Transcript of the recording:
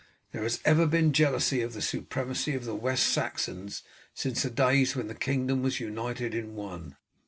There has ever been jealousy of the supremacy of the West Saxons since the days when the kingdom was united in one.